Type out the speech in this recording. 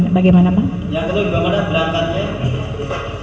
yang kedua gimana berangkatnya